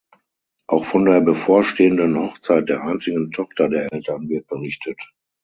Auch von der bevorstehenden Hochzeit der einzigen Tochter der Eltern wird berichtet.